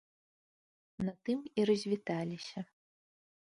На тым і развіталіся.